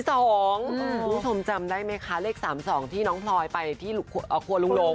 คุณผู้ชมจำได้ไหมคะเลข๓๒ที่น้องพลอยไปที่ครัวลุงลง